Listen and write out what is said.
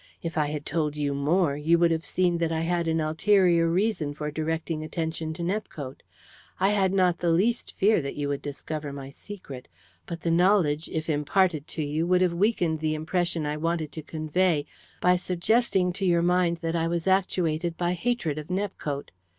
If I had told you more you would have seen that I had an ulterior reason for directing attention to Nepcote. I had not the least fear that you would discover my secret, but the knowledge, if imparted to you, would have weakened the impression I wanted to convey by suggesting to your mind that I was actuated by hatred of Nepcote.